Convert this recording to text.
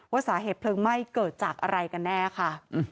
สาเหตุเพลิงไหม้เกิดจากอะไรกันแน่ค่ะ